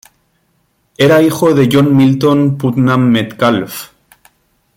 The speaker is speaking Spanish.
Era hijo de John Milton Putnam Metcalf.